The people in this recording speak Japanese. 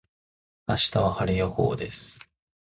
明日は晴れ予報です。